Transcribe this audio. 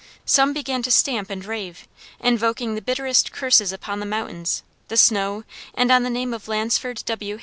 Some began to stamp and rave, invoking the bitterest curses upon the mountains, the snow, and on the name of Lansford W.